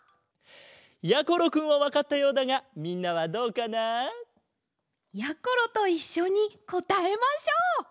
やころくんはわかったようだがみんなはどうかな？やころといっしょにこたえましょう！